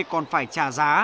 còn phải trả giá